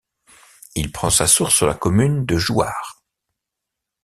Il prend sa source sur la commune de Jouarre.